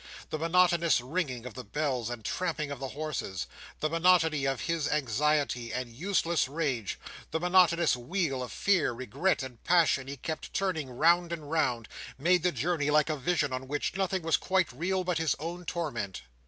The monotonous ringing of the bells and tramping of the horses; the monotony of his anxiety, and useless rage; the monotonous wheel of fear, regret, and passion, he kept turning round and round; made the journey like a vision, in which nothing was quite real but his own torment.